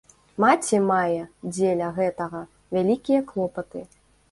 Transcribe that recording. Маці мае дзеля гэтага вялікія клопаты.